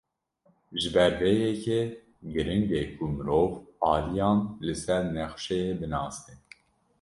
Ji ber vê yekê, giring e ku mirov aliyan li ser nexşeyê binase.